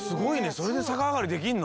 それでさかあがりできんの？